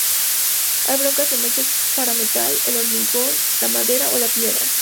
Hay brocas o mechas para metal, el hormigón, la madera o la piedra.